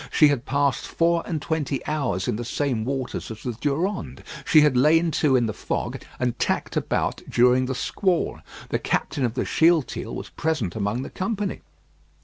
She had passed four and twenty hours in the same waters as the Durande. She had lain to in the fog, and tacked about during the squall. The captain of the Shealtiel was present among the company.